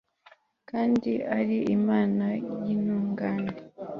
kandi ari imana y'intungane